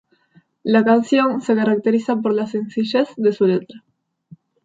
La canción se caracteriza por la sencillez de su letra.